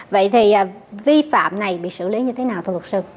vậy thì vi phạm này bị xử lý như thế nào thưa luật sư